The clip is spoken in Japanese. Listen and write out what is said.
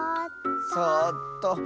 ⁉そっと。